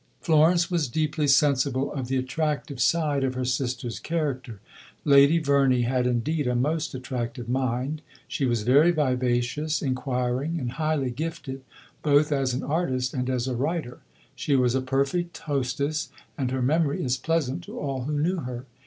Florence was deeply sensible of the attractive side of her sister's character. Lady Verney had indeed a most attractive mind; she was very vivacious, inquiring, and highly gifted, both as an artist and as a writer. She was a perfect hostess, and her memory is pleasant to all who knew her.